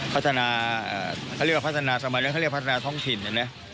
พัฒนาเขาเรียกว่าพัฒนาสมัยนั้นเขาเรียกพัฒนาท้องถิ่นนะ